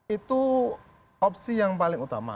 itu opsi yang paling utama